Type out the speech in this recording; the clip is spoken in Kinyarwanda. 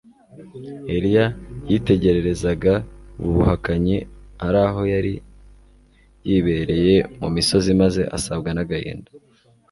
Eliya yitegererezaga ubu buhakanyi ari aho yari yibereye mu misozi maze asabwa nagahinda